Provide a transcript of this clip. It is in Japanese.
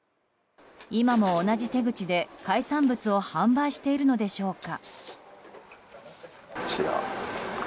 今も同じ手口で海産物を販売しているのでしょうか。